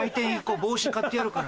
帽子買ってやるから。